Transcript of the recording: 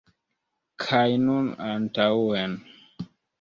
Kaj nun antaŭen!